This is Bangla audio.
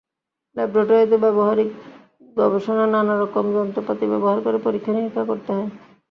ল্যাবরেটরিতে ব্যবহারিক গবেষণা নানা রকম যন্ত্রপাতি ব্যবহার করে পরীক্ষা-নিরীক্ষা করতে হয়।